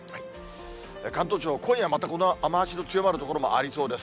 関東地方、今夜またこの雨足の強まる所もありそうです。